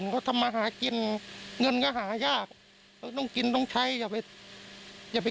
ก็ทำมาหากินเงินก็หายากต้องกินต้องใช้อย่าไป